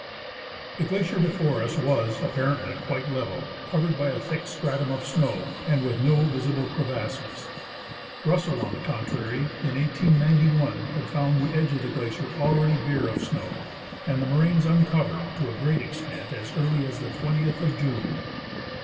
The glacier before us was, apparently, quite level, covered by a thick stratum of snow, and with no visible crevasses. Russell, 81 G THE ASCENT OF MOUNT ST. ELIAS SLEDGE. on the contrary, in 1891, had found the edge of the glacier already bare of snow, and the moraines uncovered, to a great extent, as early as the 20th of June.